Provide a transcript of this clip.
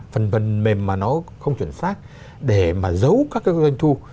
phần mềm mà nó không chuẩn xác để mà giấu các cái doanh thu